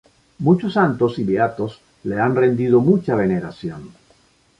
Muchos santos y beatos le han rendido mucha veneración.